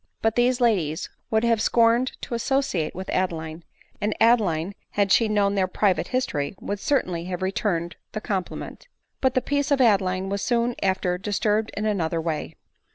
But these ladies would have scorned to associate with ADELINE MOWBRAY. 153 Adeline; and Adeline, had she known their "private history, would certainly. have returned the compliment. But the peace of Adeline was soon after disturbed in another way.